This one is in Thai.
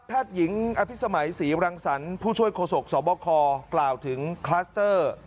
แพทยิงอภิษฐธรรมสีรังสรรค์ผู้ช่วยโคศกศพบคอกล่าวถึงคลาสเตอร์